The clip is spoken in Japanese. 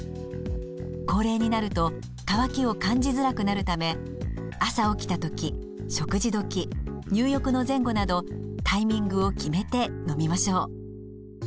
高齢になると渇きを感じづらくなるため朝起きた時食事時入浴の前後などタイミングを決めて飲みましょう。